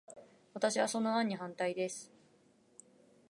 私は、その案に反対です。